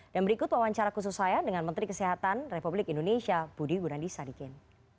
dan berikut wawancara khusus saya dengan menteri kesehatan republik indonesia budi gunadisadikin